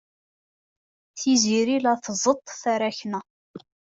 Tiziri la tẓeṭṭ taṛakna.